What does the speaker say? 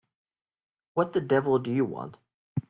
What the devil do you want?